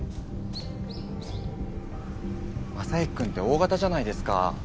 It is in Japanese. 征行君ってＯ型じゃないですか？